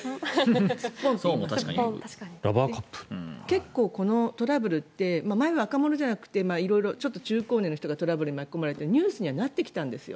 結構、このトラブルって前は若者じゃなくて色々、ちょっと中高年の人がトラブルに巻き込まれてニュースにはなってきたんです。